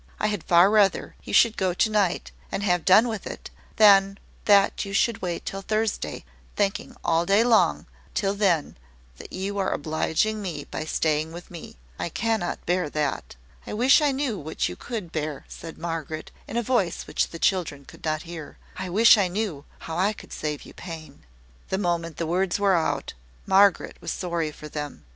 I had far rather you should go to night, and have done with it, than that you should wait till Thursday, thinking all day long till then that you are obliging me by staying with me. I cannot bear that." "I wish I knew what you could bear," said Margaret, in a voice which the children could not hear. "I wish I knew how I could save you pain." The moment the words were out, Margaret was sorry for them.